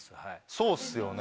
そうっすよね。